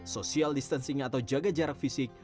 social distancing atau jaga jarak fisik